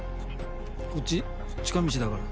こっち近道だから。